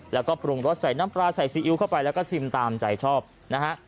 แล้วก็ปรุงรสใส่น้ำปลาใส่ซีอิ๊วเข้าไปแล้วก็ชิมตามใจชอบนะฮะ